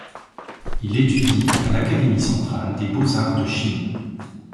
Il étudie à l'Académie centrale des beaux-arts de Chine.